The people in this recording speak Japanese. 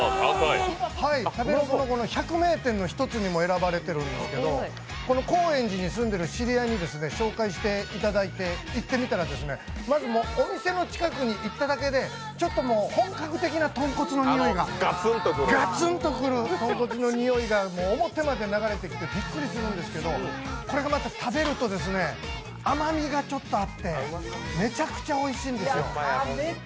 食べログの百名店の一つにも選ばれているんですけど、行ってみたら、まずお店の近くに行っただけでちょっと本格的なとんこつのにおいが、がつんとくる豚骨の匂いが表まで流れてきてびっくりするんですけど、これがまた食べると甘みがちょっとあってめちゃくちゃおいしいんですよ。